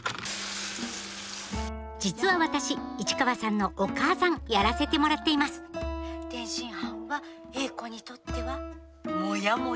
実は私市川さんのお母さんやらせてもらっています「天津飯は詠子にとってはモヤモヤ飯」。